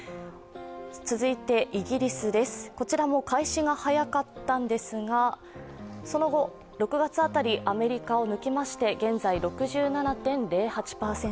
続いてイギリスです、こちらも開始が早かったんですがその後、６月辺り、アメリカを抜きまして現在６７．０８％。